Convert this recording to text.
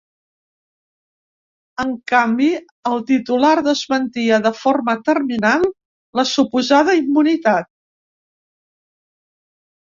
En canvi, el titular desmentia de forma terminant la suposada immunitat.